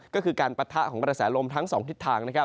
ก็คือการปะทะของกระแสลมทั้ง๒ทิศทาง